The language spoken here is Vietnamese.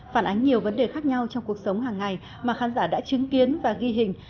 phản ánh nhiều vấn đề khác nhau trong cuộc sống hàng ngày mà khán giả đã chứng kiến và ghi hình